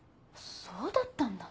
そうだったんだ。